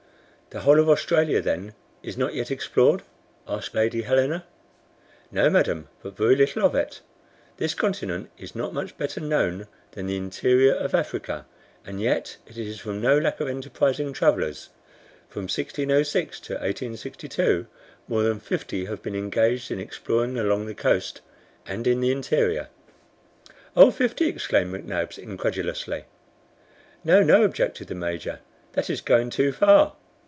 "The whole of Australia, then, is not yet explored?" asked Lady Helena. "No, madam, but very little of it. This continent is not much better known than the interior of Africa, and yet it is from no lack of enterprising travelers. From 1606 to 1862, more than fifty have been engaged in exploring along the coast and in the interior." "Oh, fifty!" exclaimed McNabbs incredulously. "No, no," objected the Major; "that is going too far."